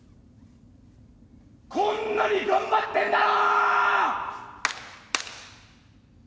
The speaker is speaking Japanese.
こんなに頑張ってんだろ！